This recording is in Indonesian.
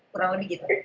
kurang lebih gitu